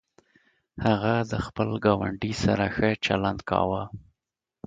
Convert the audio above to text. هغه د خپل ګاونډي سره ښه چلند کاوه.